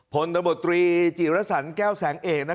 พลตมตรีจีรสรรแก้วแสงเอกนะครับ